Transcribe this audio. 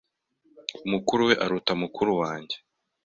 Mukuru we aruta mukuru wanjye.